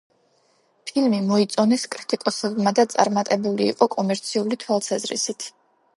ფილმი მოიწონეს კრიტიკოსებმა და წარმატებული იყო კომერციული თვალსაზრისით.